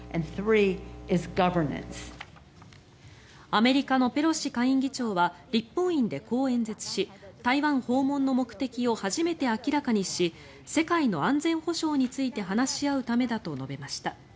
アメリカのペロシ下院議長は立法院でこう演説し台湾訪問の目的を初めて明らかにし世界の安全保障について話し合うためだと述べました。